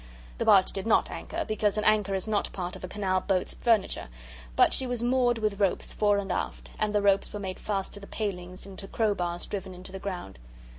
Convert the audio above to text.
The barge did not anchor, because an anchor is not part of a canal boat's furniture, but she was moored with ropes fore and aft and the ropes were made fast to the palings and to crowbars driven into the ground.